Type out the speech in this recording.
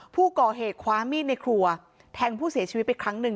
ผู้ก่อเหตุคว้ามีดในครัวแทงผู้เสียชีวิตไปครั้งหนึ่ง